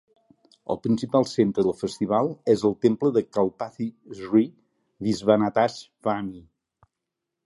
El principal centre del festival és el temple de Kalpathy Sree Viswanathaswamy.